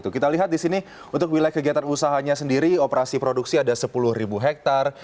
kita lihat di sini untuk wilayah kegiatan usahanya sendiri operasi produksi ada sepuluh hektare